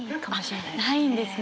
ないんですね。